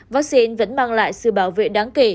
vaccine vẫn mang lại sự bảo vệ đáng kể